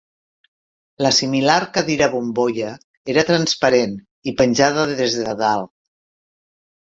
La similar cadira bombolla era transparent i penjada des de dalt.